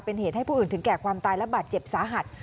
เป็นเหตุให้ผู้อื่นถึงแก่ความตายและบาดเจ็บสาหัส